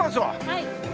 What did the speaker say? はい。